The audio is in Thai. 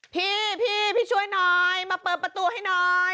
พี่พี่ช่วยหน่อยมาเปิดประตูให้หน่อย